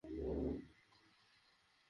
আংটিটা পরিয়ে দাও!